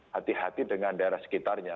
hati hati dengan daerah sekitarnya